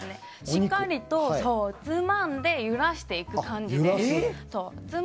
しっかりとつまんで揺らしていく感じです。